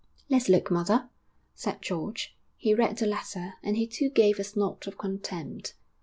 'Let's look, mother,' said George. He read the letter and he too gave a snort of contempt.